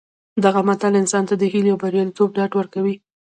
دغه متل انسان ته د هیلې او بریالیتوب ډاډ ورکوي